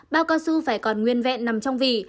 bao cao su phải còn nguyên vẹn nằm trong vỉ